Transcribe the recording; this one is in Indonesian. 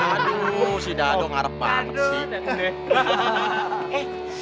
aduh si dadu ngarep banget sih